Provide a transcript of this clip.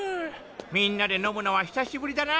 みんなで飲むのは久しぶりだな。